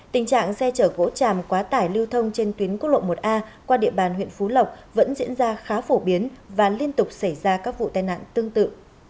tình trạng xe chở gỗ tràm quá tải lưu thông trên tuyến quốc lộ một a qua địa bàn huyện phú lộc vẫn diễn ra khá phổ biến và liên tục xảy ra các vụ tai nạn tương tự